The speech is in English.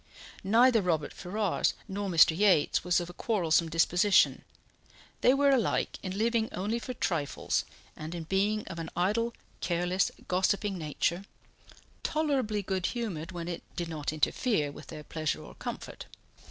Neither Robert Ferrars nor Mr. Yates was of a quarrelsome disposition; they were alike in living only for trifles, and in being of an idle, careless, gossiping nature, tolerably good humoured when it did not interfere with their pleasure or comfort.